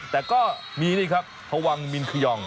แต่ก็มีนี่ครับพวังมินขยอง